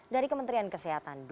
dari kementerian kesehatan